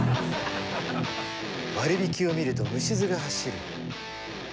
割引を見ると虫唾が走る。